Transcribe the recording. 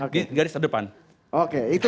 di garis terdepan oke itu